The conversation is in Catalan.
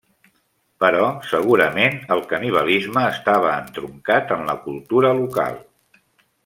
Però segurament el canibalisme estava entroncat en la cultura local.